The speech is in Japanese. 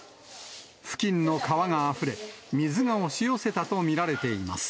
付近の川があふれ、水が押し寄せたと見られています。